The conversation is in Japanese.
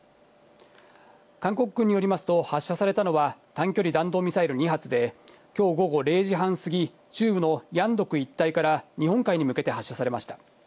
韓国軍によりますと、発射されたのは短距離弾道ミサイル２発で、きょう午後０時半過ぎ、中部のヤンドク一帯から日本海に向けて発射されました。